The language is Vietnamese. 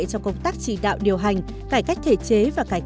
trong công tác chỉ đạo điều hành cải cách thể chế